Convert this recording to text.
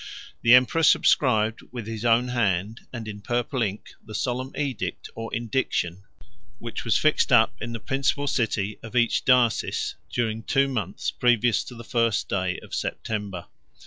171 The emperor subscribed with his own hand, and in purple ink, the solemn edict, or indiction, which was fixed up in the principal city of each diocese, during two months previous to the first day of September.